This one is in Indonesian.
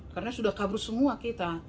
karena sudah kabur semua kita